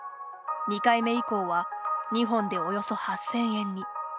２回目以降は２本でおよそ８０００円に。